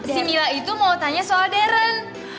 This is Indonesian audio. si mila itu mau tanya soal dern